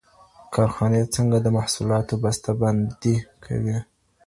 کارخانې څنګه د محصولاتو بسته بندي کوي؟